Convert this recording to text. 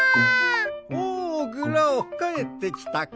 おおグラオかえってきたか。